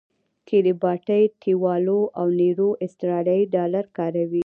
کیریباټی، ټیوالو او نیرو اسټرالیایي ډالر کاروي.